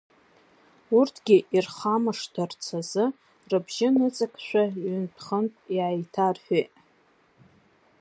Урҭгьы ирхамышҭырц азы рыбжьы ныҵакшәа ҩынтә-хынтә иааиҭарҳәеит.